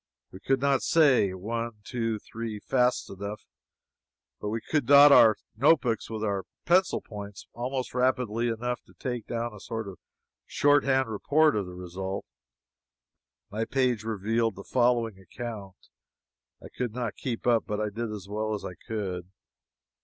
We could not say one, two, three, fast enough, but we could dot our notebooks with our pencil points almost rapidly enough to take down a sort of short hand report of the result. My page revealed the following account. I could not keep up, but I did as well as I could.